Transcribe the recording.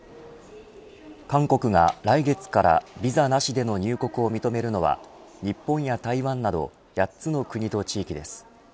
韓国が来月からビザなしでの入国を認めるのは日本や台湾など８つの国と地域です。